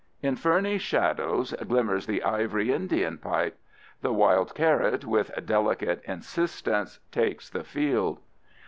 In ferny shadows glimmers the ivory Indian pipe. The wild carrot, with delicate insistence, takes the field.